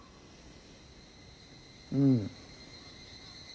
うん。